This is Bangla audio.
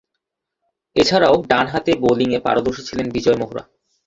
এছাড়াও, ডানহাতে বোলিংয়ে পারদর্শী ছিলেন বিজয় মেহরা।